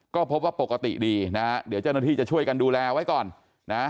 ก็พบว่าปกติดีนะฮะเดี๋ยวเจ้าหน้าที่จะช่วยกันดูแลไว้ก่อนนะ